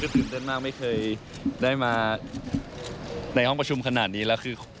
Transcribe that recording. ตื่นเต้นมากไม่เคยได้มาในห้องประชุมขนาดนี้แล้วคือ